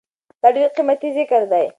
دا ډير قيمتي ذکر دی